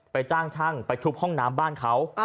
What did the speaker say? จ้างช่างไปทุบห้องน้ำบ้านเขา